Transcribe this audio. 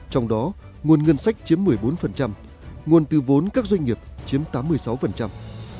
trong đó nguồn ngân sách chiếm một mươi bốn nguồn từ vốn các doanh nghiệp chiếm tám mươi sáu